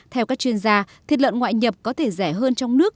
theo các chuyên gia thịt lợn ngoại nhập có thể rẻ hơn trong nước